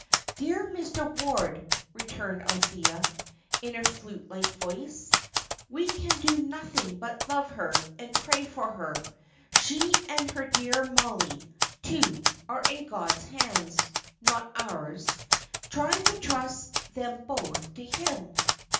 "Dear Mr. Ward," returned Althea, in her flute like voice, "we can do nothing but love her, and pray for her. She and her dear Mollie, too, are in God's hands not ours. Try to trust them both to Him."